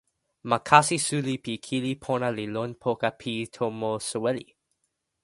ma kasi suli pi kili pona li lon poka pi tomo soweli!